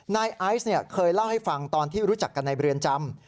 นายไอซ์เคยเล่าให้ฟังตอนที่รู้จักกันในเรือนจำ